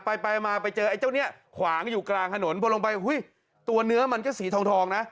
ไปไปมาไปเจอไอ้เจ้าเนี่ยขวางอยู่กลางถนนพอลงไปอุ้ยตัวเนื้อมันก็สีทองนะ